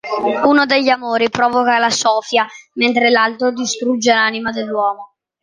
Uno degli Amori provoca la "sophia", mentre l'altro distrugge l'anima dell'uomo.